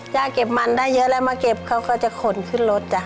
เก็บมันได้เยอะแล้วมาเก็บเขาก็จะขนขึ้นรถจ้ะ